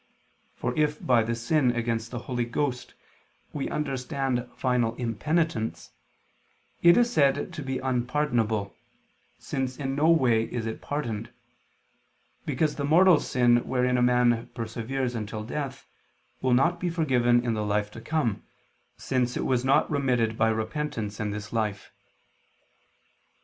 For if by the sin against the Holy Ghost we understand final impenitence, it is said to be unpardonable, since in no way is it pardoned: because the mortal sin wherein a man perseveres until death will not be forgiven in the life to come, since it was not remitted by repentance in this life.